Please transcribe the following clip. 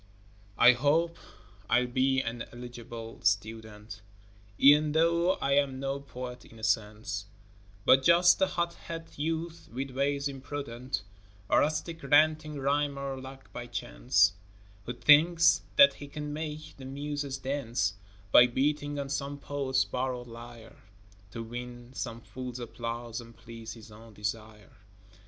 I hope I'll be an eligible student, E'en tho I am no poet in a sense, But just a hot head youth with ways imprudent, A rustic ranting rhymer like by chance Who thinks that he can make the muses dance By beating on some poet's borrowed lyre, To win some fool's applause and please his own desire.